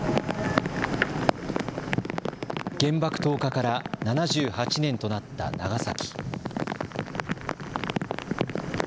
原爆投下から７８年となった長崎。